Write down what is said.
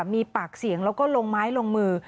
มีปากเสียงแล้วก็ลงไม้ลงมือ